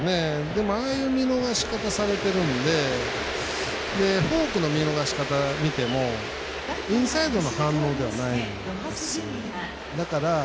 でも、ああいう見逃し方されてるんでフォークの見逃し方を見てもインサイドの反応ではないんです。